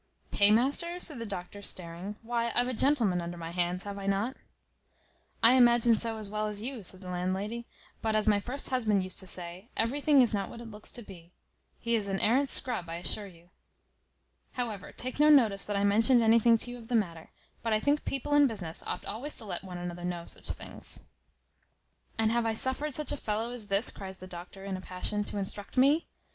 "Paymaster!" said the doctor, staring; "why, I've a gentleman under my hands, have I not?" "I imagined so as well as you," said the landlady; "but, as my first husband used to say, everything is not what it looks to be. He is an arrant scrub, I assure you. However, take no notice that I mentioned anything to you of the matter; but I think people in business oft always to let one another know such things." "And have I suffered such a fellow as this," cries the doctor, in a passion, "to instruct me?